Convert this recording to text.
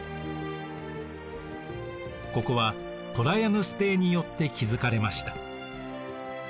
ここはトラヤヌス帝によって築かれました。